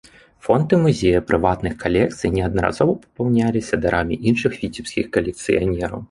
Фонды музея прыватных калекцый неаднаразова папаўняліся дарамі іншых віцебскіх калекцыянераў.